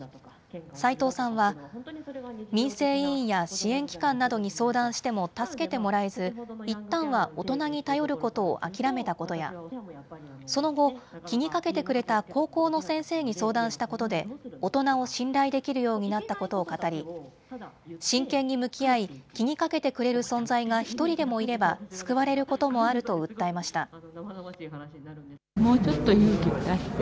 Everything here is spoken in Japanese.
斉藤さんは、民生委員や支援機関などに相談しても助けてもらえず、いったんは大人に頼ることを諦めたことや、その後、気にかけてくれた高校の先生に相談したことで、大人を信頼できるようになったことを語り、真剣に向き合い、気にかけてくれる存在が１人でもいれば救われることもあると訴えました。